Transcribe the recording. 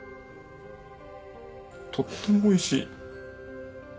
とってもおいしい。